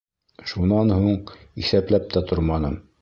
Шунан һуң иҫәпләп тә торманым.